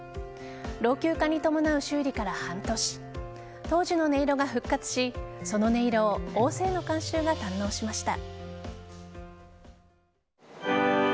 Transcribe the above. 老朽化に伴う修理から半年当時の音色が復活しその音色を大勢の観衆が堪能しました。